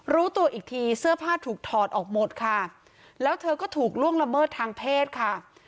รู้ตัวอีกทีเสื้อผ้าถูกถอดออกหมดค่ะแล้วเธอก็ถูกล่วงละเมิดทางเพศค่ะ